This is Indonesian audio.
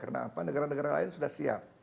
karena apa negara negara lain sudah siap